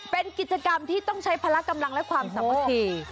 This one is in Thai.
เป็นกิจกรรมที่ต้องใช้พละกำลังและความสามัคคี